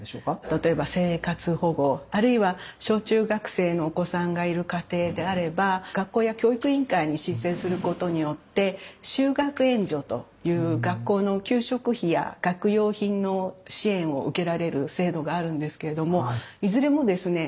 例えば生活保護あるいは小中学生のお子さんがいる家庭であれば学校や教育委員会に申請することによって就学援助という学校の給食費や学用品の支援を受けられる制度があるんですけれどもいずれもですね